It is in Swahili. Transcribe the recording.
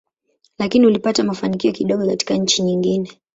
Lakini ulipata mafanikio kidogo katika nchi nyingine.